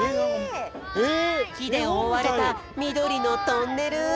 きでおおわれたみどりのトンネル。